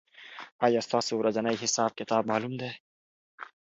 آیا ستا ورځنی حساب کتاب معلوم دی؟